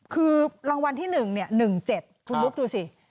คือรางวัลที่๑๑๗คุณบุ๊กดูสิ